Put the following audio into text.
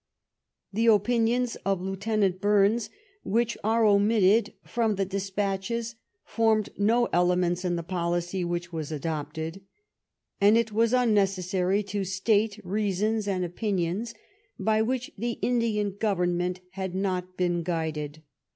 The opinions of Lieutenant Bumes which are omitted from the •despatches formed no elements in the policy which was adopted, and it was unnecessary to state reasons and opinions by which the Indian Government had not been guided.